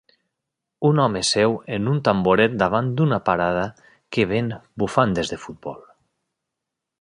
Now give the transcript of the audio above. Un home seu en un tamboret davant d'una parada que ven bufandes de futbol